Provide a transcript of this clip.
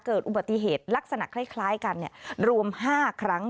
เกิดอุบัติเหตุลักษณะคล้ายกันรวม๕ครั้ง